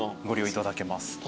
ご利用いただけます。